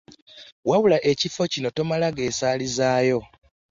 Wabula ekifo kino tomala geesaalizaayo.